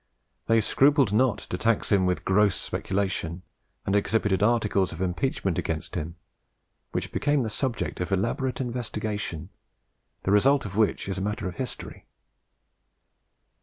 They scrupled not to tax him with gross peculation, and exhibited articles of impeachment against him, which became the subject of elaborate investigation, the result of which is matter of history.